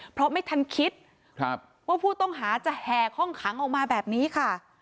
เพราะไม่ทันคิดว่าผู้ต้องหาจะแหกห้องขังออกมาแบบนี้ค่ะ